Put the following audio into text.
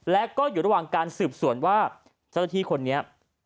และก็อยู่ระหว่างการสืบสวนว่าเจ้าหน้าที่คนนี้